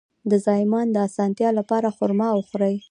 د زایمان د اسانتیا لپاره خرما وخورئ